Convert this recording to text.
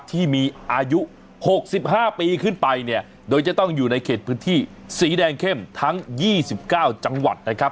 ที่มีอายุ๖๕ปีขึ้นไปเนี่ยโดยจะต้องอยู่ในเขตพื้นที่สีแดงเข้มทั้ง๒๙จังหวัดนะครับ